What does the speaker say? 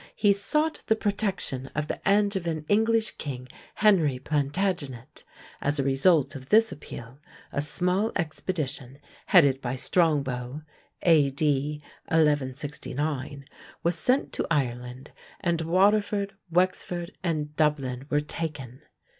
He sought the protection of the Angevin English king, Henry Plantagenet. As a result of this appeal, a small expedition, headed by Strongbow (A.D. 1169), was sent to Ireland, and Waterford, Wexford, and Dublin were taken.